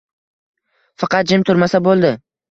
Faqat jim turmasa bo`ldi